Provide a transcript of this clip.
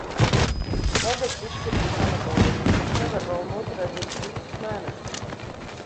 Vēders izšķir pa sanatoriju, jo še var vēl noturēties trīsus mēnešus.